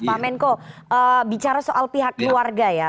pak menko bicara soal pihak keluarga ya